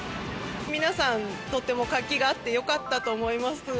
皆さん、とても活気があってよかったと思います。